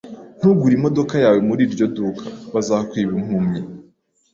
Ntugure imodoka yawe muri iryo duka. Bazakwiba impumyi